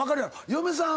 嫁さん